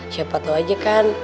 siapa tau aja kan